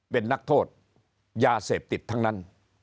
เป็นนักโทษยาเสพติดทั้งนั้น